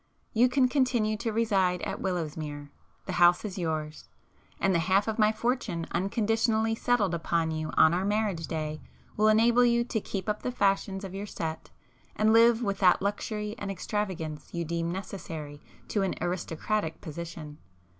You can continue to reside at Willowsmere,—the house is yours,—and the half of my fortune unconditionally settled upon you on our marriage day will enable you to keep up the fashions of your 'set,' and live with that luxury and extravagance you deem necessary to an 'aristocratic' position.